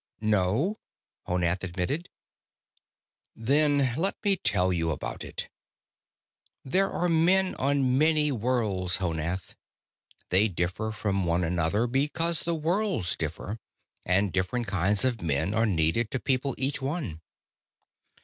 "No," Honath admitted. "Then let me tell you about it. There are men on many worlds, Honath. They differ from one another, because the worlds differ, and different kinds of men are needed to people each one.